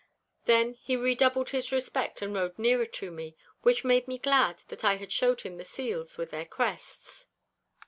Then he redoubled his respect and rode nearer to me, which made me glad that I had showed him the seals with their crests.